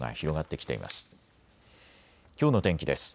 きょうの天気です。